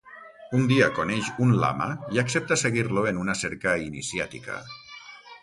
Un dia coneix un lama i accepta seguir-lo en una cerca iniciàtica.